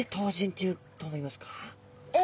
え。